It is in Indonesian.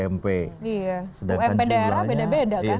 mp daerah beda beda kan